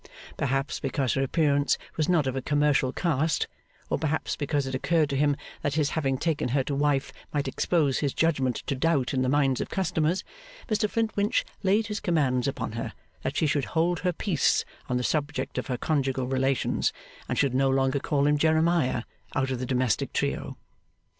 Perhaps because her appearance was not of a commercial cast, or perhaps because it occurred to him that his having taken her to wife might expose his judgment to doubt in the minds of customers, Mr Flintwinch laid his commands upon her that she should hold her peace on the subject of her conjugal relations, and should no longer call him Jeremiah out of the domestic trio.